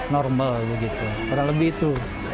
normal begitu kurang lebih itu